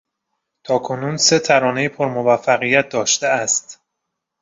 تاکنون سه ترانهی پر موفقیت داشته است.